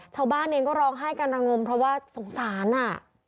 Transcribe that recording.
ชาวบ้านเองก็ร้องไห้กันระงมเพราะว่าสงสารอ่ะ